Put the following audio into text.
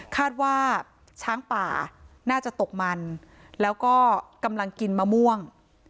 คาดว่าช้างป่าน่าจะตกมันแล้วก็กำลังกินมะม่วง